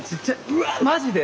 うわマジで？